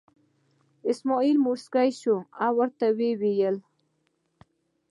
اسمعیل موسکی شو او ورته یې وویل.